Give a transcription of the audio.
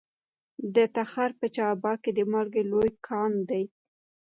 د تخار په چاه اب کې د مالګې لوی کان دی.